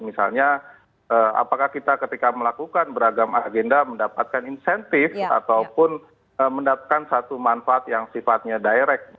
misalnya apakah kita ketika melakukan beragam agenda mendapatkan insentif ataupun mendapatkan satu manfaat yang sifatnya direct